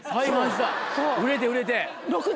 売れて売れて。